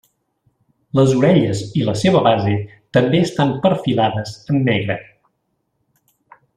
Les orelles i la seva base també estan perfilades en negre.